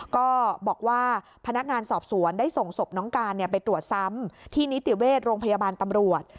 ก็บอกว่าพนักงานสอบสวนได้ส่งศพน้องการไปตรวจซ้ำที่นิติเวชโรงพยาบาลตำรวจ